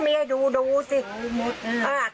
มันเสียหายหมดหลายหลายร้านน่ะอืมเออตอนกินเมนูเขามีให้ดูดูสิ